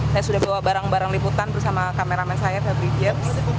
saya sudah bawa barang barang liputan bersama kameramen saya febri dian